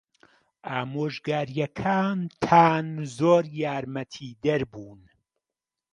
ئامۆژگارییەکانتان زۆر یارمەتیدەر بوون.